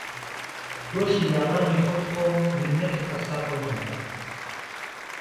گۆشتی لاڕانی خۆت بخۆ مننهتی قهساب ههڵمهگره